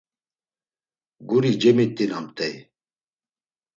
Guri cemit̆inamt̆ey.